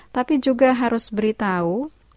tapi juga harus beritahu